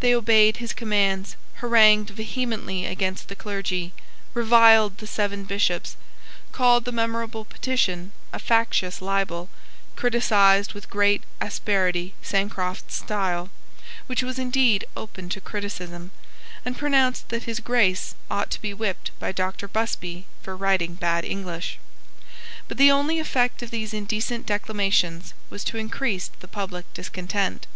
They obeyed his commands, harangued vehemently against the clergy, reviled the seven Bishops, called the memorable petition a factious libel, criticized with great asperity Sancroft's style, which was indeed open to criticism, and pronounced that his Grace ought to be whipped by Doctor Busby for writing bad English. But the only effect of these indecent declamations was to increase the public discontent.